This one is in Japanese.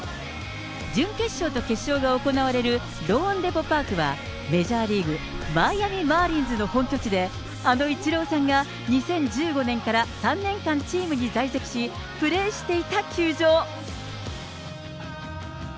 準決勝と決勝が行われるローンデポ・パークは、メジャーリーグ・マイアミマーリンズの本拠地であのイチローさんが、２０１５年から３年間、チームに在籍し、プレーしていた球場。